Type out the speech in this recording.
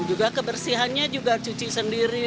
juga kebersihannya juga cuci sendiri